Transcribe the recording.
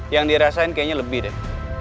yang dirasain kayaknya lebih deh